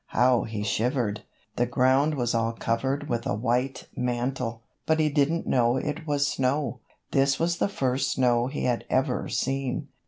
how he shivered. The ground was all covered with a white mantle, but he didn't know it was snow. This was the first snow he had ever seen.